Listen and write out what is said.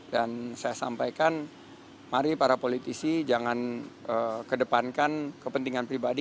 dan saya sampaikan mari para politisi jangan kedepankan kepentingan pribadi